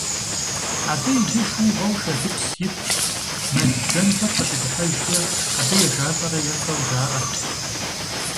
Абы иджы шыугъэу шэдыпс итщ, мэл-бжэнхэр къыщыдыхьэжкӏэ абы ежалӏэрэ ефэу жаӏэ.